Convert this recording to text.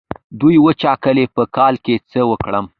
د وچکالۍ په کال کې څه وکړم؟